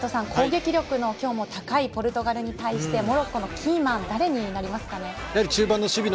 攻撃力高いポルトガルに対してモロッコのキーマンは誰になりますか？